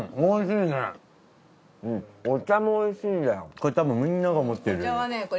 これ多分みんなが思ってるより。